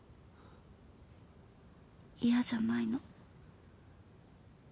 嫌じゃないの。